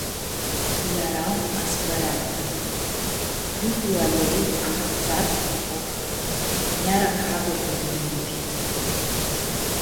Earam aspãreatã, truplu a ljei acãtsat cu foc, nj-eara cadurlu di ninti.